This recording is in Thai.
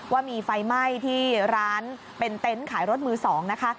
ว่ามีไฟไหม้ที่ร้านเป็นเต็นต์ขายรถมือ๒นะคะ